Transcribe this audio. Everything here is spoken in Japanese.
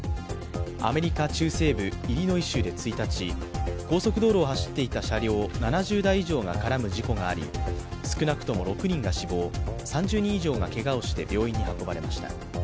アメリカ中西部イリノイ州で１日、高速道路を走っていた車両７０台以上が絡む事故があり、少なくとも６人が死亡、３０人以上がけがをして病院に運ばれました。